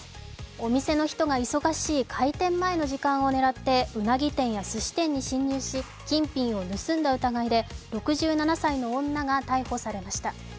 お店の人が忙しい開店前の時間を狙ってうなぎ店やすし店に侵入し、金品を盗んだ疑いで６７歳の女が逮捕されました。